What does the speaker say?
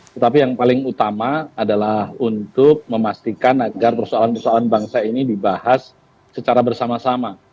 tetapi yang paling utama adalah untuk memastikan agar persoalan persoalan bangsa ini dibahas secara bersama sama